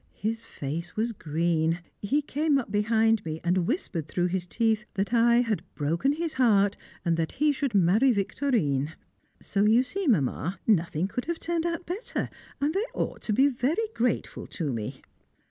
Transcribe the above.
His face was green; he came up behind me, and whispered through his teeth that I had broken his heart, and that he should marry Victorine! So you see, Mamma, nothing could have turned out better, and they ought to be very grateful to me.